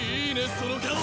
その顔。